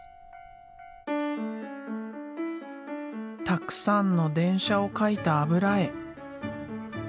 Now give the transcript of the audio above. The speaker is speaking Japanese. たくさんの電車を描いた油絵。